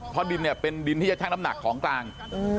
เพราะดินเนี่ยเป็นดินที่จะชั่งน้ำหนักของกลาง